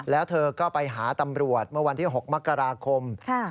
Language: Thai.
แล้วเธอก็ไปหาตำรวจเมื่อวันที่๖มกราคม